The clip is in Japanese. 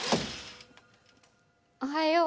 おはよう。